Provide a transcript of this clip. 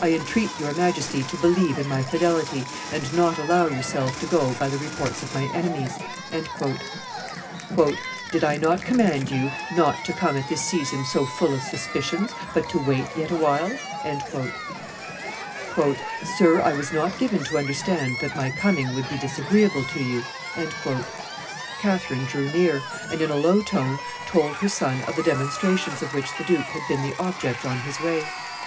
"I entreat your Majesty to believe in my fidelity, and not allow yourself to go by the reports of my enemies." "Did I not command you not to come at this season so full of suspicions, but to wait yet a while?" "Sir, I was not given to understand that my coming would be disagreeable to you." Catherine drew near, and, in a low tone, told her son of the demonstrations of which the duke had been the object on his way.